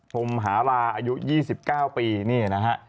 ผมหาราอายุ๒๙ปี